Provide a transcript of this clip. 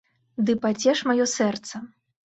Ды пацеш маё сэрца.